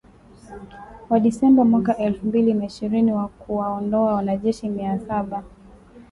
wa Disemba mwaka elfu mbili na ishirini wa kuwaondoa wanajeshi mia saba